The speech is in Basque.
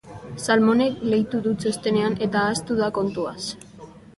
Salamonek leitu du txostenean eta ahaztu da kontuaz.